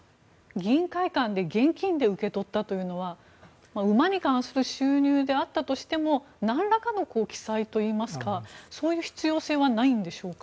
議員会館で現金で受け取ったというのは馬に関する収入であったとしても何らかの記載といいますかそういう必要性はないんでしょうか？